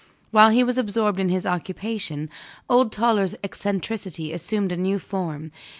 While he was absorbed in this occupation, old Toller's eccentricity assumed a new form.